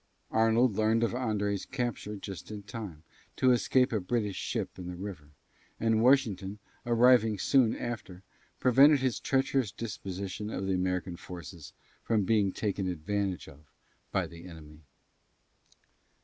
Arnold learned of André's capture just in time to escape to a British ship in the river, and Washington, arriving soon after, prevented his treacherous disposition of the American forces from being taken advantage of by the enemy.